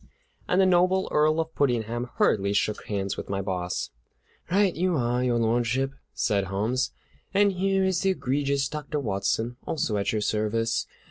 And the noble Earl of Puddingham hurriedly shook hands with my boss. "Right you are, Your Lordship," said Holmes, "and here is the egregious Dr. Watson, also at your service.